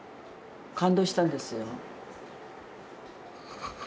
感動したんですよ。